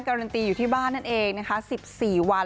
การันตีอยู่ที่บ้านนั่นเองนะคะ๑๔วัน